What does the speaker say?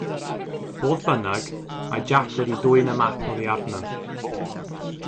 Fodd bynnag, mae Jack wedi dwyn y map oddi arno.